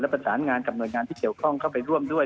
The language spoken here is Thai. ประสานงานกับหน่วยงานที่เกี่ยวข้องเข้าไปร่วมด้วย